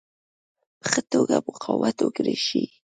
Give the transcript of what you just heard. په ښه توګه مقاومت وکړای شي.